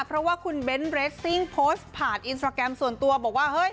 เพราะว่าคุณเบ้นเรสซิ่งโพสต์ผ่านอินสตราแกรมส่วนตัวบอกว่าเฮ้ย